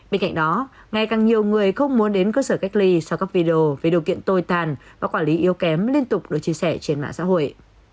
bên cạnh đó ngày càng nhiều người không muốn đến cơ sở cách ly sau các video về điều kiện tồi tàn và quản lý yêu kém liên tục được chia sẻ trên mạng xã hội